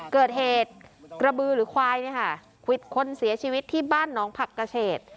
เกิดเหตุกระบือหรือควายเนี่ยค่ะควิดคนเสียชีวิตที่บ้านน้องผักกระเฉด